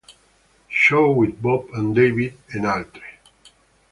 Show with Bob and David" e altre.